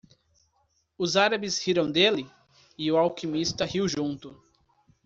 Os árabes riram dele? e o alquimista riu junto.